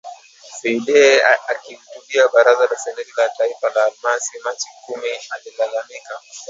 Saydee akihutubia Baraza la Seneti la taifa Alhamisi Machi kumi alilalamika